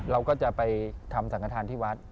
เราก็จะไปทำสังฆฐานที่วัด